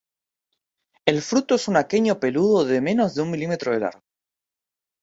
El fruto es un aquenio peludo de menos de un milímetro de largo.